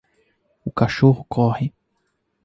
O cachorro corre.